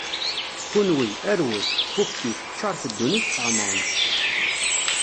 Kenwi, arwet, ffuktit, ččaṛet ddunit tɛemṛem-tt.